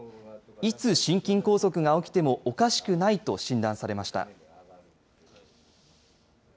いつ心筋梗塞が起きてもおかしくないと診断されました。